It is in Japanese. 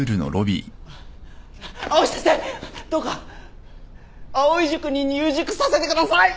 どうか藍井塾に入塾させてください！